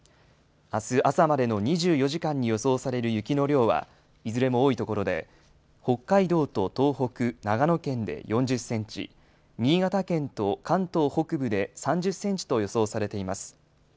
あす朝までの２４時間に予想される雪の量は、いずれも多い所で、北海道と東北、長野県で４０センチ、新潟県と関東北部で３０センチと予想されています。